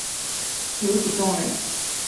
刘祖洞人。